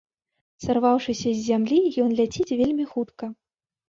Сарваўшыся з зямлі, ён ляціць вельмі хутка.